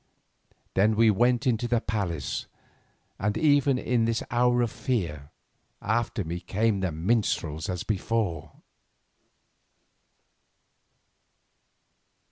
Then we went into the palace, and even in this hour of fear, after me came the minstrels as before.